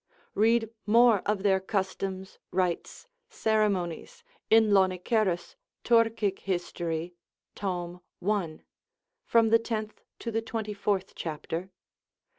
Read more of their customs, rites, ceremonies, in Lonicerus Turcic. hist. tom. 1. from the tenth to the twenty fourth chapter.